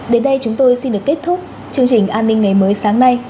đến đây chúng tôi xin được kết thúc chương trình an ninh ngày mới sáng nay